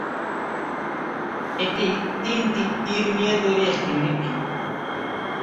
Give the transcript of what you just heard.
এটি তিনটি "তীর" নিয়ে তৈরি একটি নীতি।